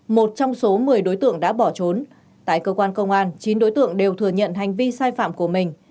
một trong số một mươi đối tượng đã bỏ trốn tại cơ quan công an chín đối tượng đều thừa nhận hành vi sai phạm của mình